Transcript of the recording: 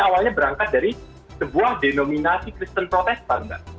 awalnya berangkat dari sebuah denominasi kristen protestant